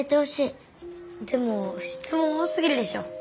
でもしつもん多すぎるでしょ。